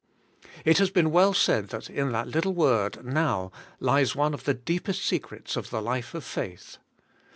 It has been well said that in that little word now lies one of the deepest secrets of the life of faith.